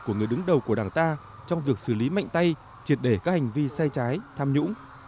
của người đứng đầu của đảng ta trong việc xử lý mạnh tay triệt để các hành vi sai trái tham nhũng